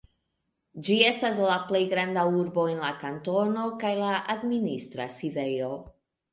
Ĝi estas la plej granda urbo en la kantono, kaj la administra sidejo.